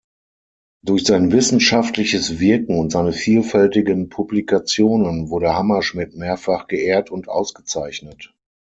Durch sein wissenschaftliches Wirken und seine vielfältigen Publikationen wurde Hammerschmidt mehrfach geehrt und ausgezeichnet.